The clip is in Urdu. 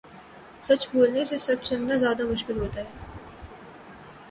سچ بولنے سے سچ سنا زیادہ مشکل ہوتا ہے